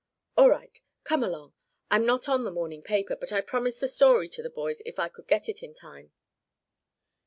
"All right. Come along. I'm not on the morning paper, but I promised the story to the boys if I could get it in time."